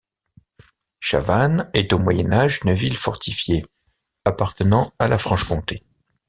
Chavannes est au Moyen Âge une ville fortifiée appartenant à la Franche-Comté.